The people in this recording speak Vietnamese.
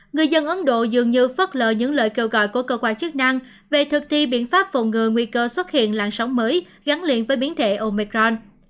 người dân ấn độ dường như phất lờ những lời kêu gọi của cơ quan chức năng về thực thi biện pháp phòng ngừa nguy cơ xuất hiện làn sóng mới gắn liền với biến thể omicron